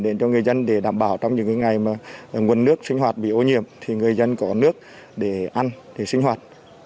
đảm bảo trong những ngày mà nguồn nước sinh hoạt bị ô nhiễm thì người dân có nước để ăn để sinh hoạt